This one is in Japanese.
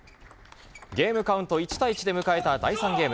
ゲームカウント１対１で迎えた第３ゲーム。